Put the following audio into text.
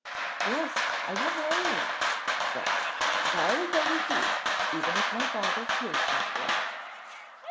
'Yes, I will marry you,' she said, 'and I will go with you, even if my father kills me for it.'